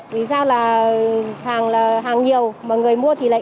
vì sao là hàng nhiều mà người mua thì là ít